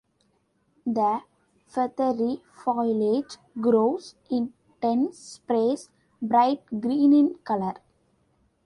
The feathery foliage grows in dense sprays, bright green in color.